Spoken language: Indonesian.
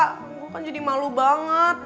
aku kan jadi malu banget